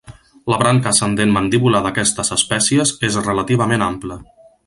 La branca ascendent mandibular d'aquestes espècies és relativament ampla.